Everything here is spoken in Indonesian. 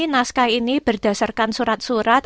naskah ini berdasarkan surat surat